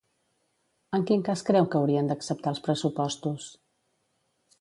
En quin cas creu que haurien d'acceptar els pressupostos?